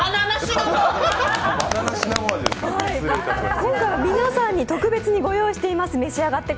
今回は皆さんに特別にご用意しています。